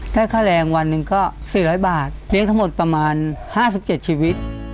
ได้ค่าแรงวันนึงก็สี่ร้อยบาทเลี้ยงทั้งหมดประมาณห้าสิบเจ็ดชีวิต